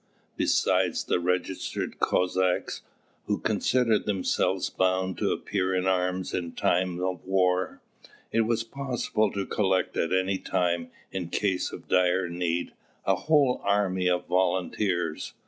Besides the registered Cossacks, who considered themselves bound to appear in arms in time of war, it was possible to collect at any time, in case of dire need, a whole army of volunteers.